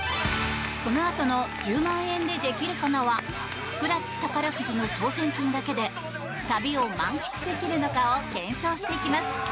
そのあとの「１０万円でできるかな」はスクラッチ宝くじの当選金だけで旅を満喫できるのかを検証していきます。